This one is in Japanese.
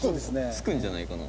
着くんじゃないかな。